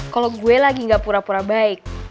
kalau gue lagi gak pura pura baik